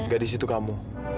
gadis itu kamu